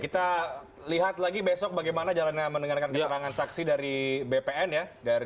kita lihat lagi besok bagaimana jalannya mendengarkan keterangan saksi dari bpn ya